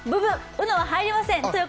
ＵＮＯは入りません。